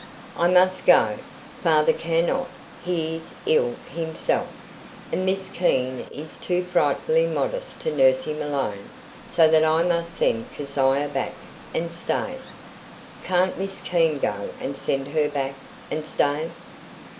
"I must go. Father cannot he is ill himself; and Miss Keene is too frightfully modest to nurse him alone, so that I must send Keziah back, and stay " "Can't Miss Keene go and send her back, and stay?"